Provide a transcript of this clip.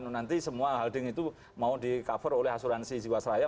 nanti semua holding itu mau di cover oleh asuransi jiwasraya